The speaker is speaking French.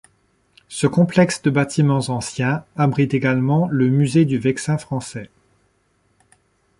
Ce complexe de bâtiments anciens abrite également le musée du Vexin français.